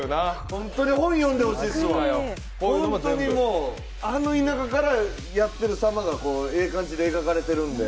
本当にもうあの田舎からやっている様がええ感じで描かれてるんで。